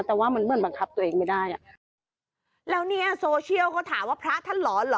แต่ว่ามันเหมือนบังคับตัวเองไม่ได้อ่ะแล้วเนี้ยโซเชียลเขาถามว่าพระท่านหลอนเหรอ